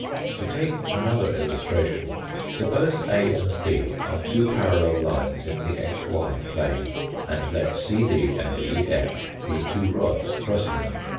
To take another illustration, suppose A and B are two parallel lines in the xy plane, and let CD and EF be two rods crossing them.